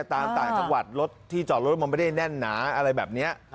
ต่างจังหวัดรถที่จอดรถมันไม่ได้แน่นหนาอะไรแบบนี้